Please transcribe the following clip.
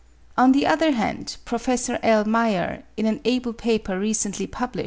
On the other hand, Prof. L. Meyer, in an able paper recently published (33.